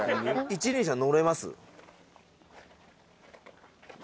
一輪車乗れます？